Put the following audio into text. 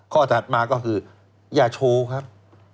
ถัดมาก็คืออย่าโชว์ครับ